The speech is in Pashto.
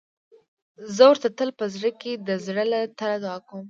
زه ورته تل په زړه کې د زړه له تله دعا کوم.